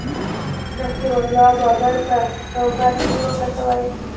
نصیر الله بابر په نومبر کي بې واکه شوی